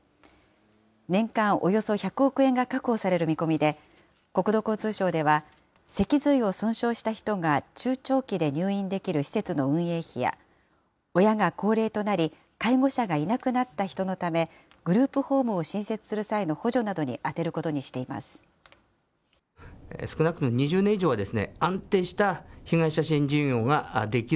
年間およそ１００億円が確保される見込みで、国土交通省では脊髄を損傷した人が中長期で入院できる施設の運営費や、親が高齢となり介護者がいなくなった人のためグループホームを新設する際の補助などに充てることにしています。